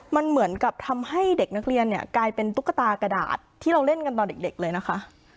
มันเหมือนกับทำให้เด็กนักเรียนเนี่ยกลายเป็นตุ๊กตากระดาษที่เราเล่นกันตอนเด็กเลยนะคะ